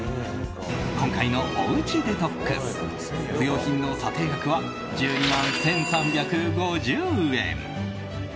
今回のおうちデトックス不要品の査定額は１２万１３５０円。